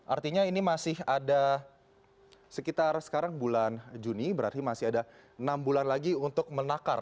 artinya ini masih ada sekitar sekarang bulan juni berarti masih ada enam bulan lagi untuk menakar